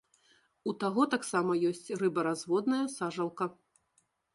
У таго таксама ёсць рыбаразводная сажалка.